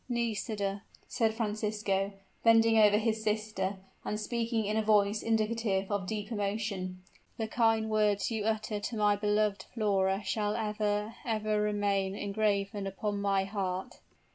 "Nisida," said Francisco, bending over his sister, and speaking in a voice indicative of deep emotion, "the kind words you utter to my beloved Flora shall ever ever remain engraven upon my heart."